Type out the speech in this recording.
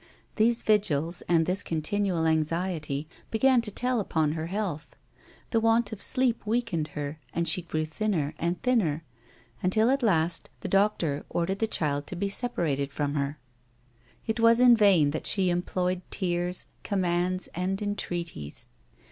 These vigils and this continual anxiety began to tell upon her health. The want of sleep weakened her and she grew thinner and thinner, until, at last, the doctor ordered the child to be separated from her. It was in vain that she employed tears, commands and entreaties.